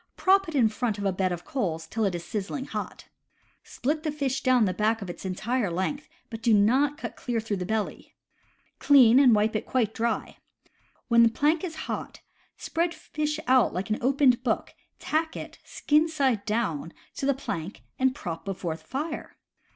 Prop it in front of a bed of coals till it is sizzling hot. Split the fish down the back its entire length, but do not cut clear through the belly. Clean, and wipe it quite dry. When plank is hot, spread fish out like an opened book, tack it, skin side down, to the plank and prop before fire.